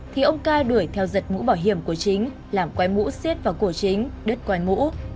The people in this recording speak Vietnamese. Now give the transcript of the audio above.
thì ông ca đuổi theo giật mũ bảo hiểm của chính làm quay mũ xiết vào cổ chính đứt quái mũ